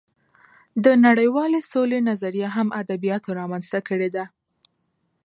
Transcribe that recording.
د نړۍوالې سولې نظریه هم ادبیاتو رامنځته کړې ده